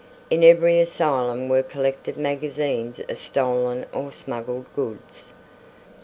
In every asylum were collected magazines of stolen or smuggled goods.